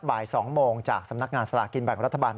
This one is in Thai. บ่าย๒โมงจากสำนักงานสลากกินแบ่งรัฐบาล